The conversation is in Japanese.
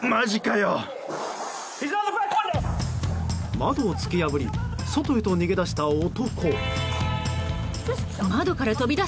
窓を突き破り外へと逃げ出した男。